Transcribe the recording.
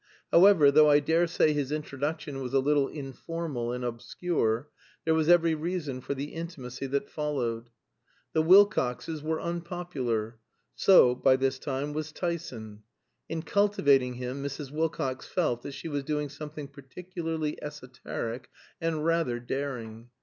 However, though I daresay his introduction was a little informal and obscure, there was every reason for the intimacy that followed. The Wilcoxes were unpopular; so, by this time, was Tyson. In cultivating him Mrs. Wilcox felt that she was doing something particularly esoteric and rather daring.